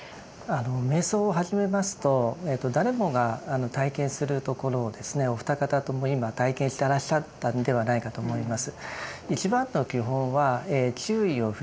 瞑想を始めますと誰もが体験するところをですねお二方とも今体験してらっしゃったんではないかと思います。